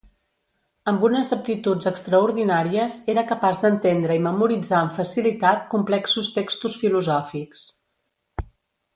Amb unes aptituds extraordinàries, era capaç d'entendre i memoritzar amb facilitat complexos textos filosòfics.